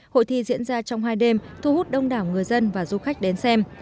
hội thi diễn ra trong hai đêm thu hút đông đảo người dân và du khách đến xem